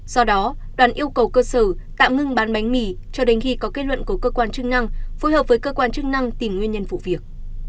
do đó đoàn yêu cầu cơ sở tạm ngưng bán bánh mì cho đến khi có kết luận của cơ quan chức năng phối hợp với cơ quan chức năng tìm nguyên nhân vụ việc